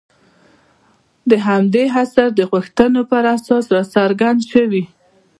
د همدې عصر د غوښتنو پر اساس راڅرګند شوي.